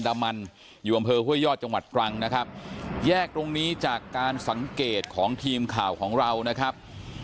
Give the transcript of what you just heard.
ดามันอยู่อำเภอห้วยยอดจังหวัดตรังนะครับแยกตรงนี้จากการสังเกตของทีมข่าวของเรานะครับ